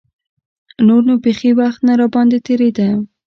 نور نو بيخي وخت نه راباندې تېرېده.